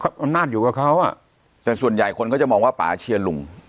อำนาจอยู่กับเขาอ่ะแต่ส่วนใหญ่คนเขาจะมองว่าป่าเชียร์ลุง